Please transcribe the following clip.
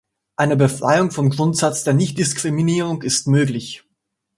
Eine Befreiung vom Grundsatz der Nichtdiskriminierung ist möglich.